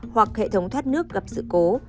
hoặc hệ thống thoát nước gặp sự cố